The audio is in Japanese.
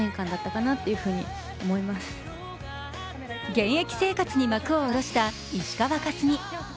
現役生活に幕を下ろした石川佳純。